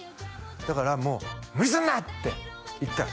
だからもう「無理すんな！」って言ったら